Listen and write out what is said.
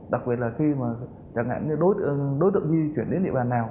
đặc biệt là khi đối tượng di chuyển đến địa bàn nào